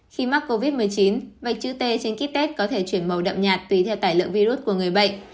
khi mắc covid một mươi chín vạch chữ t trên kít tết có thể chuyển màu đậm nhạt tùy theo tải lượng virus của người bệnh